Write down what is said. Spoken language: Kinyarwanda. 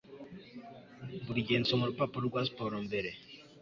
Buri gihe nsoma urupapuro rwa siporo mbere